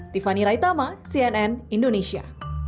tiffany raitama cnn indonesia